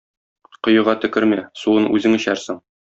Коега төкермә, суын үзең эчәрсең.